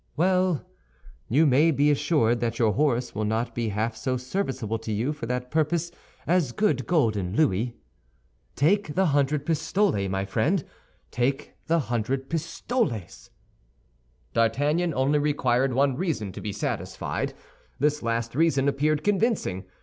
"Well, you may be assured that your horse will not be half so serviceable to you for that purpose as good golden louis. Take the hundred pistoles, my friend; take the hundred pistoles!" D'Artagnan only required one reason to be satisfied. This last reason appeared convincing.